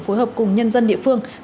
phối hợp cùng nhân dân địa phương